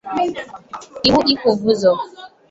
Iwu Ikwubuzo